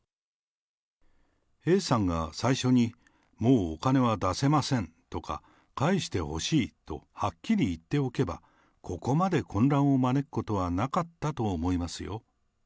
Ａさんが最初に、もうお金は出せませんとか、返してほしいとはっきり言っておけば、ここまで混乱を招くことはなかったと思いますよ。